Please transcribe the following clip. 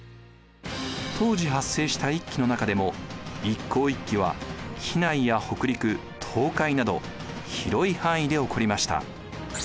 当時発生した一揆の中でも一向一揆は畿内や北陸東海など広い範囲で起こりました。